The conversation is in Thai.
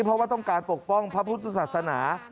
เพราะว่าต้องการปกป้องพระพุทธศาสนา